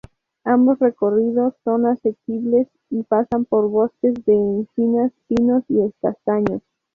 Ambos recorridos son asequibles, y pasan por bosques de encinas, pinos y castaños.